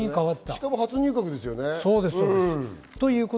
しかも初入閣ですよね。